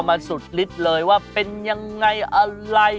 มาสุดฤทธิ์เลยว่าเป็นยังไงอะไร